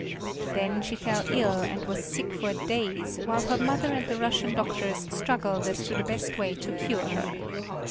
Then she fell ill, and was sick for days, while her mother and the Russian doctors struggled as to the best way to cure her.